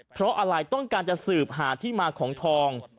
เพราะอะไรต้องการจะสืบหาที่มาของทอง